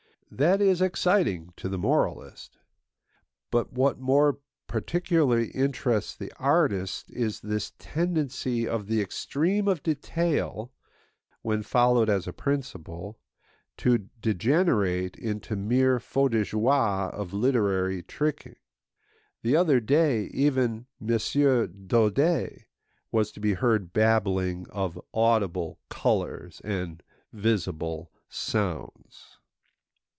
That is exciting to the moralist; but what more particularly interests the artist is this tendency of the extreme of detail, when followed as a principle, to degenerate into mere feux de joie of literary tricking. The other day even M. Daudet was to be heard babbling of audible colours and visible sounds.